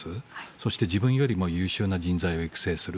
そして、自分よりも優秀な人材を育成する。